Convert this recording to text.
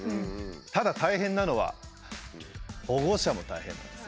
ただ大変なのは保護者も大変なんです。